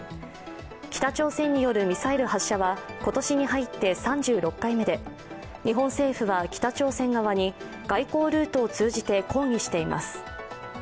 北朝鮮によるミサイル発射は今年に入って３６回目で日本政府は北朝鮮側に外交ルートを通じて抗議しています。